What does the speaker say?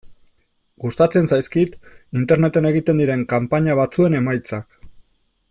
Gustatzen zaizkit Interneten egiten diren kanpaina batzuen emaitzak.